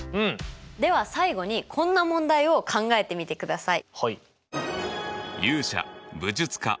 では最後にこんな問題を考えてみてください。